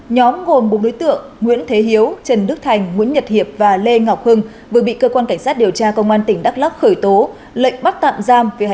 nhóm gồm bộ đối tượng nguyễn thế hiếu trần đức thành nguyễn nhật hiệp và lê ngọc hưng